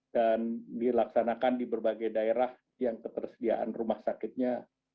dan dilaksanakan di berbagai daerah yang ketersediaan rumah sakitnya